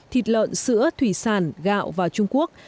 thịt lợn sữa thủy sản gạo vào trung quốc